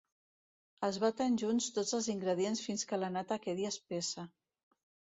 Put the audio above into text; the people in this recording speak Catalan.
Es baten junts tots els ingredients fins que la nata quedi espessa.